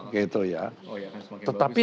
gitu ya tetapi